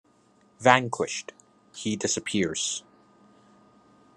Vanquished, he disappears.